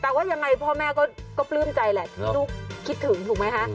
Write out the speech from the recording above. แต่ว่ายังไงพ่อแม่ก็ปลื้มใจแหละที่ลูกคิดถึงถูกไหมคะ